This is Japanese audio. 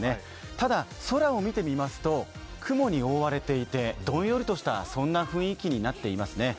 ただ空を見てみますと雲に覆われていてどんよりとした雰囲気になっていますね。